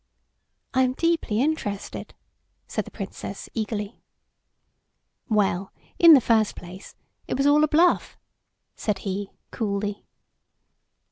"I am deeply interested," said the Princess, eagerly. "Well, in the first place, it was all a bluff," said he, coolly.